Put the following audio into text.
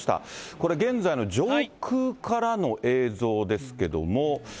これ、現在の上空からの映像ですけれども。